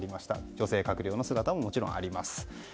女性閣僚の姿ももちろんあります。